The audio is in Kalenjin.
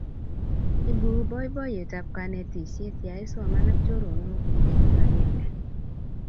Ibu boiboietab kanetisie ya isoman ak choronokuk eng' kibagenge